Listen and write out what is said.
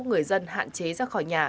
người dân hạn chế ra khỏi nhà